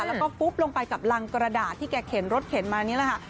แล้วก็ฟุ๊บลงไปกับรังกระดาษที่แกเข็นรถเข็นมานี่แหละค่ะ